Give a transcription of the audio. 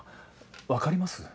分かります？